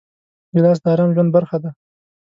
ګیلاس د ارام ژوند برخه ده.